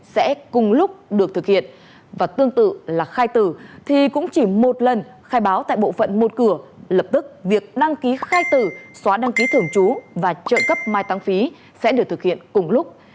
sẽ cùng lúc được thực hiện và tương tự là khai tử thì cũng chỉ một lần khai báo tại bộ phận một cửa lập tức việc đăng ký khai tử xóa đăng ký thường trú và trợ cấp mai tăng phí sẽ được thực hiện cùng lúc